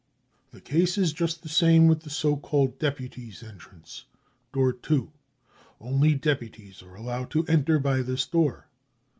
The case is just the same with the so called deputies 9 entrance, door 2. Only deputies are allowed to enter by this door.